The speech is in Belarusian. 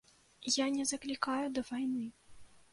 Я не заклікаю да вайны.